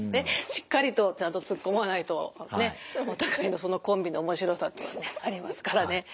しっかりとちゃんとつっこまないとねお互いのそのコンビの面白さっていうのもねありますからね。